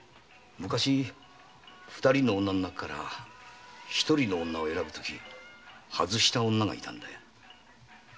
昔二人の女の中から一人の女を選ぶとき外した女がいたんだ。